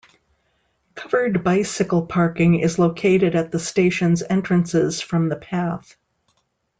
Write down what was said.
Covered bicycle parking is located at the station's entrances from the path.